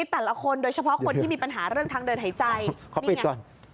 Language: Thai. แต่ละคนโดยเฉพาะคนที่มีปัญหาเรื่องทางเดินหายใจนี่ไง